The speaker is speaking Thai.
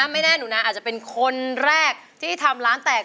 ไม่แน่หนูนะอาจจะเป็นคนแรกที่ทำร้านแตก